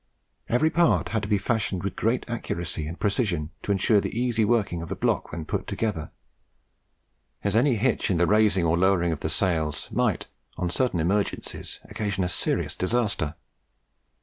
Every part had to be fashioned with great accuracy and precision to ensure the easy working of the block when put together, as any hitch in the raising or lowering of the sails might, on certain emergencies, occasion a serious disaster.